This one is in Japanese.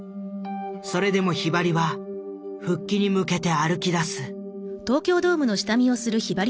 それでもひばりは復帰に向けて歩きだす。